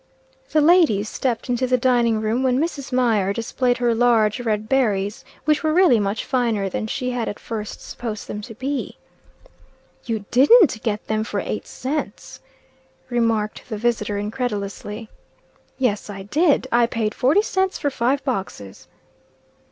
The ladies stepped into the dining room, when Mrs. Mier displayed her large, red berries, which were really much finer than she had at first supposed them to be. "You didn't get them for eight cents," remarked the visitor, incredulously. "Yes I did. I paid forty cents for five boxes."